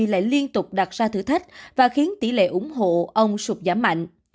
lại liên tục đặt ra thử thách và khiến tỷ lệ ủng hộ ông sụp giảm mạnh